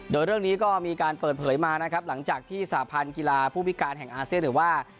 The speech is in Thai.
โดยเรื่องนี้ก็มีการเปิดเผยมานะครับหลังจากที่สาพันธ์กีฬาผู้พิการแห่งอาเซียนหรือว่า